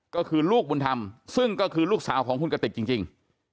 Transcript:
ก็คือลูกบุญธรรมซึ่งก็คือลูกสาวของคุณกติกจริง